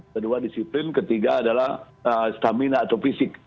kedua disiplin ketiga adalah stamina atau fisik